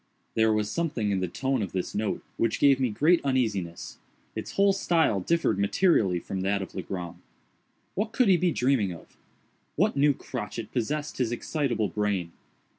There was something in the tone of this note which gave me great uneasiness. Its whole style differed materially from that of Legrand. What could he be dreaming of? What new crotchet possessed his excitable brain?